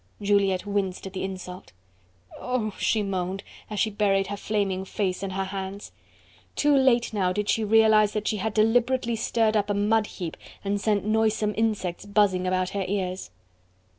Juliette winced at the insult. "Oh!" she moaned, as she buried her flaming face in her hands. Too late now did she realise that she had deliberately stirred up a mud heap and sent noisome insects buzzing about her ears.